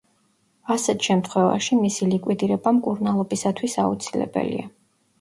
ასეთ შემთხვევაში, მისი ლიკვიდირება მკურნალობისათვის აუცილებელია.